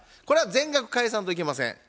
これは全額返さんといけません。